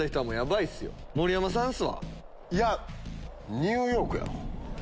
いやニューヨークやろ。